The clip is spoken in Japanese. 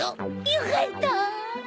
よかった。